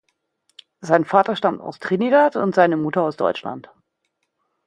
Sein Vater stammt aus Trinidad und seine Mutter aus Deutschland.